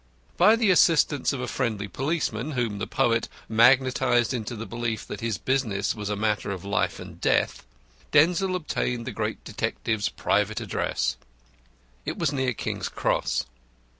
By the assistance of a friendly policeman, whom the poet magnetised into the belief that his business was a matter of life and death, Denzil obtained the great detective's private address. It was near King's Cross.